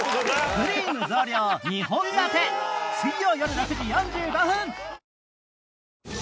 くりぃむ増量２本立て！水曜よる６時４５分。